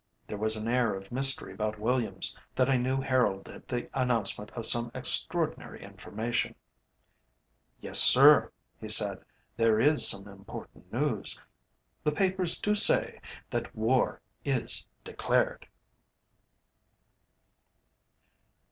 There was an air of mystery about Williams that I knew heralded the announcement of some extraordinary information. "Yes, sir," he said, "there is some important news. The papers do say that 'War is declared.'"